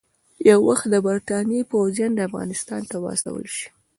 یو وخت د برټانیې پوځیان افغانستان ته واستول شي.